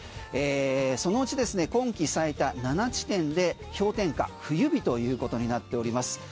そのうち今季最多７地点で、氷点下冬日ということになってます。